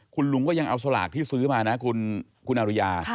คุณลุงก็ยังเอาสลากที่ซื้อมานะคุณอริยา